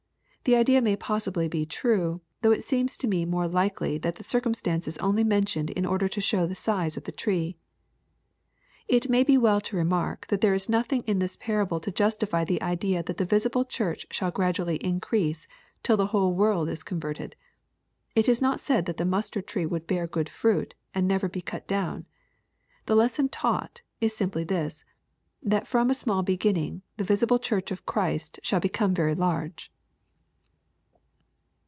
The idea may possibly be true, though it seems to me more likely that the circumstance is only mentioned in order to show the size of the tree. It may be well to remark that there is nothing in this parable to justify the idea that the visible Church shall gradually increase, till the whole world is converted. It is not said that the mustard tree would bear good fruit, and be never cut down. The lesson taught, is simply this, that, from a small beginning, the visible Church of Christ shall become very large.